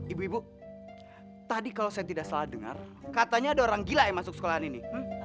ibu ibu tadi kalau saya tidak salah dengar katanya ada orang gila yang masuk sekolahan ini